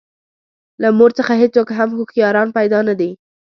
له مور څخه هېڅوک هم هوښیاران پیدا نه دي.